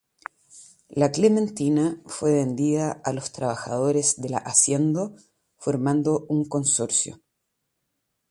La Clementina fue vendida a los trabajadores de la haciendo, formando un consorcio.